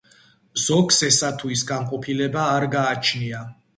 ზოგს ესა თუ ის განყოფილება არ გააჩნია.